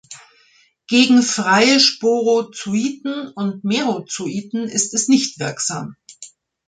Gegen freie Sporozoiten und Merozoiten ist es nicht wirksam.